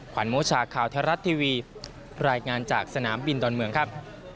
วันโมชาข่าวไทยรัฐทีวีรายงานจากสนามบินดอนเมืองครับ